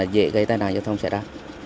về gây tai nạn giao thông xảy ra